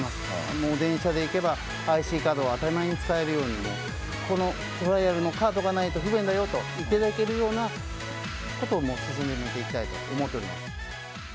もう電車で行けばＩＣカードを当たり前に使えるようにと、このトライアルのカードがないと不便だよと言っていただけるようなことを進めていきたいと思っております。